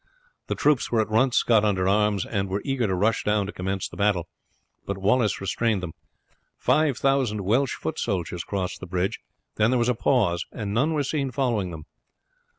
The troops were at once got under arms, and were eager to rush down to commence the battle, but Wallace restrained them. Five thousand Welsh foot soldiers crossed the bridge, then there was a pause, and none were seen following them.